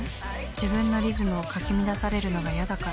自分のリズムをかき乱されるのが嫌だから。